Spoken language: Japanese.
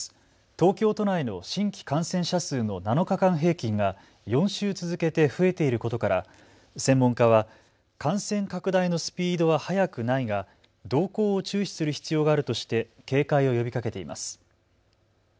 東京都内の新規感染者数の７日間平均が４週続けて増えていることから専門家は感染拡大のスピードは速くないが動向を注視する必要があるとして警戒を呼びかけています。